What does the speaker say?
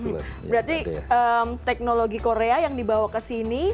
berarti teknologi korea yang dibawa ke sini